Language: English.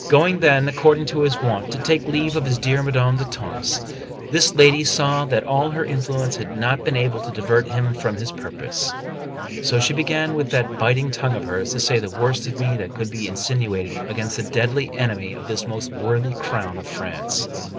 Going then, according to his wont, to take leave of his dear Madame d'Etampes, this lady saw that all her influence had not been able to divert him from his purpose; so she began with that biting tongue of hers to say the worst of me that could be insinuated against a deadly enemy of this most worthy crown of France.